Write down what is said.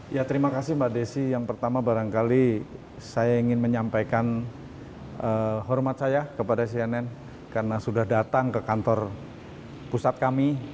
ya terima kasih mbak desi yang pertama barangkali saya ingin menyampaikan hormat saya kepada cnn karena sudah datang ke kantor pusat kami